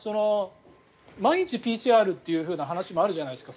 毎日ＰＣＲという話もあるじゃないですか。